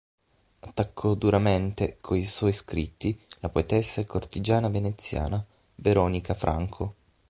Attaccò duramente coi suoi scritti la poetessa e cortigiana veneziana Veronica Franco.